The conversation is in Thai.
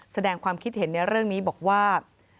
แสดงความคิดเห็นในเรื่องนี้บอกว่า